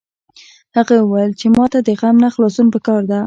هغې وویل چې ما ته د غم نه خلاصون په کار ده